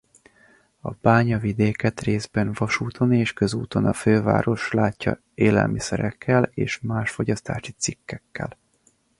A bányavidéket részben vasúton és közúton a főváros látja élelmiszerekkel és más fogyasztási cikkekkel.